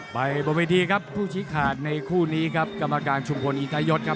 บนเวทีครับผู้ชี้ขาดในคู่นี้ครับกรรมการชุมพลอินทยศครับ